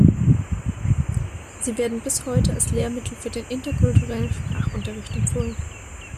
Sie werden bis heute als Lehrmittel für den interkulturellen Sprachunterricht empfohlen.